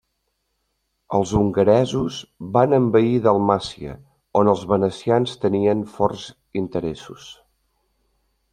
Els hongaresos van envair Dalmàcia, on els venecians tenien forts interessos.